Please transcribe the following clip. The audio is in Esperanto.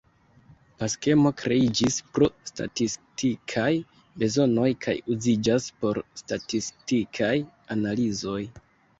La skemo kreiĝis pro statistikaj bezonoj kaj uziĝas por statistikaj analizoj.